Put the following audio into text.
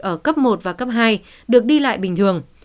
ở cấp một và cấp hai được đi lại bình thường